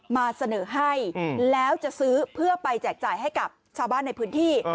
มาเสนอให้แล้วจะซื้อเพื่อไปแจกจ่ายให้กับชาวบ้านในพื้นที่